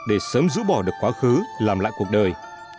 để sớm giữ bỏ được quá khứ làm lại cuộc đời